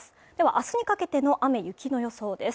明日にかけての雨、雪の予想です。